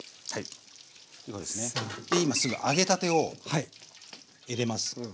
今すぐ揚げたてを入れます。